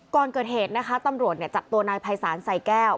ก่อนเกิดเหตุนะคะตำรวจจับตัวนายภัยศาลใส่แก้ว